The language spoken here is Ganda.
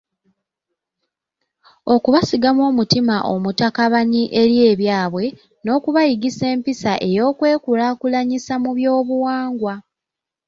Okubasigamu omutima omutakabanyi eri ebyabwe n’okubayigisa empisa ey’okwekulaakulyanyisa mu byobuwangwa.